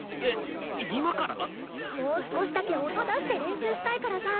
もう少しだけ音出して練習したいからさ！